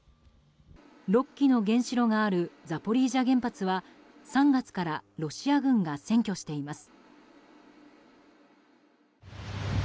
６基の原子炉があるザポリージャ原発は３月からロシア軍が占拠しています。